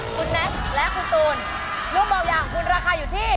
คุณแน็ตและคุณตูนลูกเบาอย่างหุ่นราคาอยู่ที่